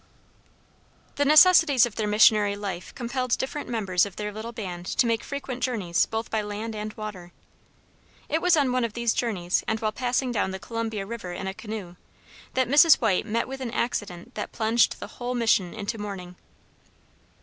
The necessities of their missionary life compelled different members of their little band to make frequent journeys both by land and water. It was on one of these journeys, and while passing down the Columbia River in a canoe, that Mrs. White met with an accident that plunged the whole mission into mourning.